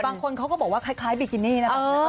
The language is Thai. บางคนบอกว่าคล้ายบิกกินี่นะ